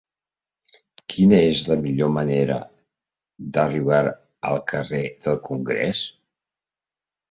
Quina és la millor manera d'arribar al carrer del Congrés?